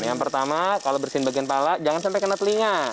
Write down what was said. yang pertama kalau bersihin bagian pala jangan sampai kena telinga